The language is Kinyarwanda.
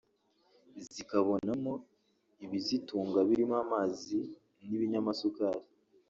zikanabonamo ibizitunga birimo amazi n’ibinyamasukari